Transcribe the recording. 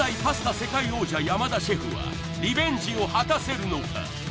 世界王者山田シェフはリベンジを果たせるのか？